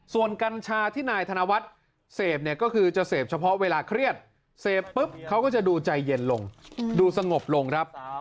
ส่วนกัญชาที่นายธนวัฒน์เสพเนี่ยก็คือจะเสพเฉพาะเวลาเครียดเสพปุ๊บเขาก็จะดูใจเย็นลงดูสงบลงครับ